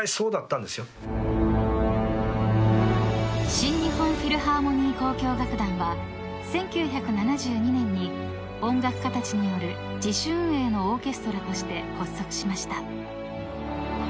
［新日本フィルハーモニー交響楽団は１９７２年に音楽家たちによる自主運営のオーケストラとして発足しました］